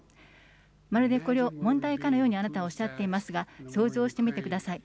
まるでこれを問題化のように、あなたはおっしゃっていますが、想像してみてください。